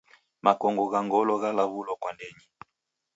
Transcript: Makongo gha ngolo ghilaw'ulo kwa ndenyi.